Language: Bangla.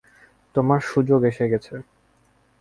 তোমার সুযোগ এসে গেছে!